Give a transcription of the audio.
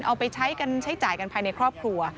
เอาไปใช้จ่ายกันภายในครอบครัว